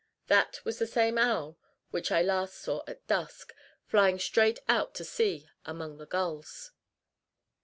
That was the same owl which I last saw at dusk, flying straight out to sea among the gulls.